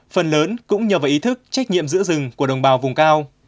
phần lớn cũng nhờ vào ý thức trách nhiệm giữ rừng của đồng bào vùng cao